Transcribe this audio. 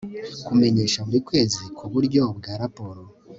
kumenyesha buri kwezi ku buryo bwa raporo